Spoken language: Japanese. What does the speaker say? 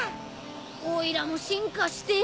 おいらも進化してえ。